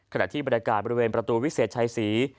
ขณะที่บรรยากาศบริเวณประตูวิเศษชัยศรี